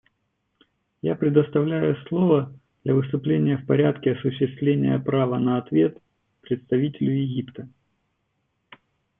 Я предоставляю слово для выступления в порядке осуществления права на ответ представителю Египта.